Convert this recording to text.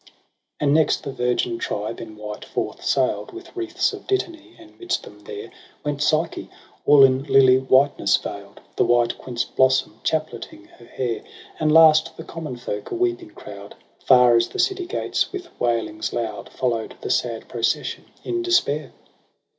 And next the virgin tribe in white forth sail'd. With wreaths of dittany • and ""midst them there Went Psyche, all in lily whiteness veil'd. The white Quince blossom chapleting her hair : And last the common folk, a weeping crowd. Far as the city gates with wailings loud FoUow'd the sad procession in despair.